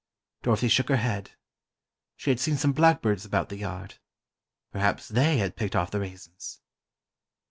Dorothy shook her head: She had seen some blackbirds about the yard ... perhaps they had picked off the raisins.